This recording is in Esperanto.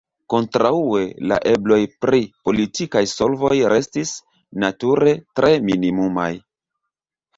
Kontraŭe, la ebloj pri politikaj solvoj restis, nature, tre minimumaj.